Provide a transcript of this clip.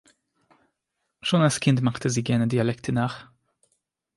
Schon als Kind machte sie gerne Dialekte nach.